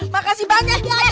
makasih banyak ya adam